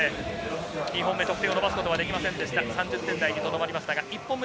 ２本目得点を伸ばすことができませんでした。